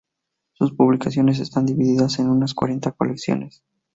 Sus publicaciones están divididas en unas cuarenta colecciones.